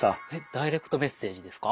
ダイレクトメッセージですか？